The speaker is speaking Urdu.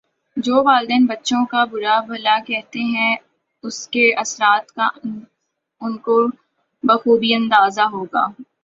جو والدین بچوں کا برا بھلا کہتے ہیں اسکے اثرات کا انکو بخوبی اندازہ ہو گا